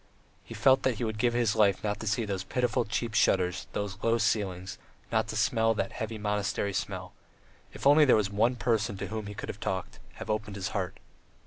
He felt that he would give his life not to see those pitiful cheap shutters, those low ceilings, not to smell that heavy monastery smell. If only there were one person to whom he could have talked, have opened his heart!